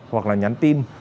hoặc là nhắn tin